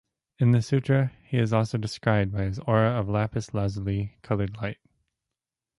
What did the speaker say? In the sutra, he is also described by his aura of lapis lazuli-colored light.